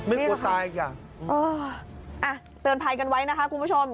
กลัวตายอีกอ่ะเอออ่ะเตือนภัยกันไว้นะคะคุณผู้ชม